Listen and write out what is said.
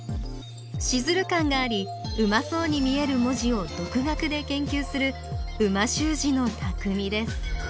シズル感がありうまそうに見える文字を独学で研究する美味しゅう字のたくみです